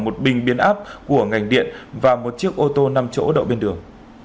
một bình biến áp của ngành điện và một chiếc ô tô năm chỗ đậu bên đường